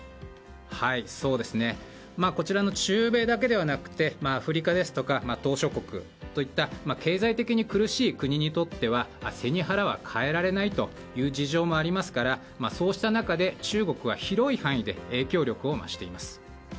中米だけではなくてアフリカですとか島しょ国といった経済的に苦しい国にとっては背に腹は代えられないという事情もありますからそうした中で、中国は広い範囲で影響力を増しています。